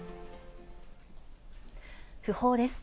訃報です。